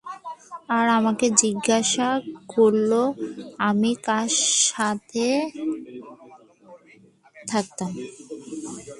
আর আমাকে জিজ্ঞাসা করল আমি কার সাথে থাকতাম।